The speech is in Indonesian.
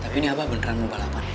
tapi ini apa beneran mau balapan